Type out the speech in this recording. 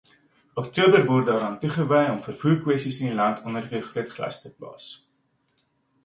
Oktober word daaraan toegewy om vervoerkwessies in die land onder die vergrootglas te plaas.